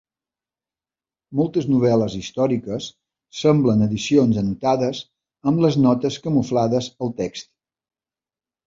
Moltes novel·les històriques semblen edicions anotades amb les notes camuflades al text.